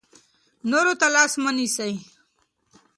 نورو ته لاس مه نیسئ.